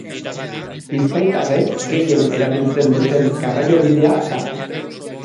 Bizkaitarrek gehien erabiltzen duten garraiobidea da.